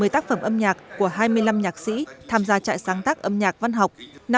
một mươi tác phẩm âm nhạc của hai mươi năm nhạc sĩ tham gia trại sáng tác âm nhạc văn học